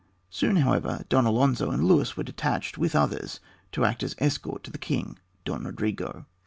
Soon, however, Don Alonzo and Luis were detached, with others, to act as escort to the king, Don Rodrigo.